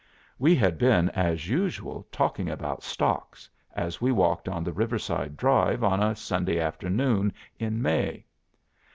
"We had been as usual talking about stocks, as we walked on the Riverside Drive on a Sunday afternoon in May.